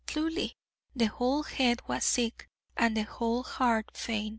Tluely, the whole head was sick, and the whole heart faint.'